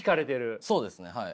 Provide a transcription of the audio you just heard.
そうですねはい。